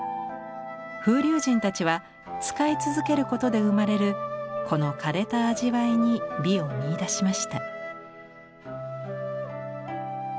風流人たちは使い続けることで生まれるこの枯れた味わいに美を見いだしました。